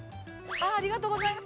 ありがとうございます。